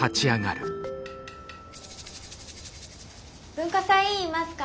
文化祭委員いますか？